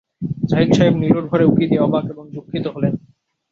জাহিদ সাহেব নীলুর ঘরে উঁকি দিয়ে অবাক এবং দুঃখিত হলেন।